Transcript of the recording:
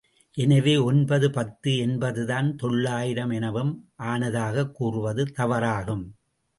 எனவே, ஒன்பது பத்து என்பதுதான் தொள்ளாயிரம் எனவும் ஆனதாகக் கூறுவது தவறாகும்.